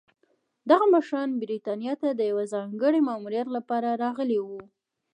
دغه مشران برېټانیا ته د یوه ځانګړي ماموریت لپاره راغلي وو.